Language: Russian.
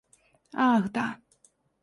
Ах, да!